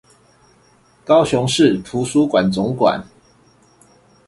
高雄市圖書館總館